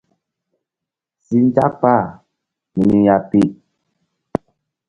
Si nzak kpah hi ni ya pi.